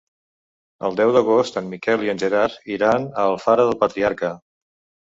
El deu d'agost en Miquel i en Gerard iran a Alfara del Patriarca.